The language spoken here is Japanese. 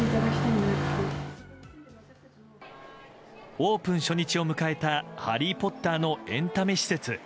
オープン初日を迎えた「ハリー・ポッター」のエンタメ施設。